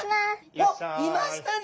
おっいましたね！